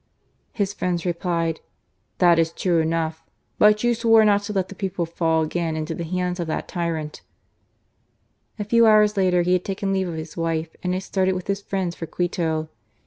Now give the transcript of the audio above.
His 46riends replied : ''That is true enough; hut yon swore not t6 let the peofdefaU again into the Imods of tluit tyrant.'! A few hours later he had taken leave of his wife and had started with his friends ifM Quito.